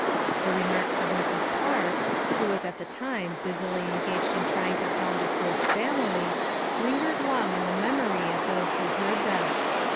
The remarks of Mrs. Clark, who was at the time busily engaged in trying to found a first family, lingered long in the memory of those who heard them.